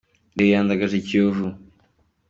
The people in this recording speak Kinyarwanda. Reyo yandagaje Kiyovu